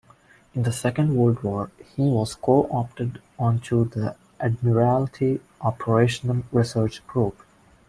In the Second World War he was co-opted onto the Admiralty Operational Research Group.